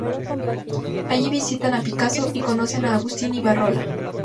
Allí visitan a Picasso y conocen a Agustín Ibarrola.